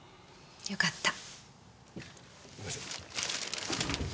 よかった。